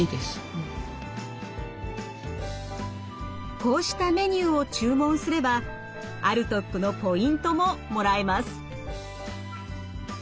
こうしたメニューを注文すれば歩得のポイントももらえます。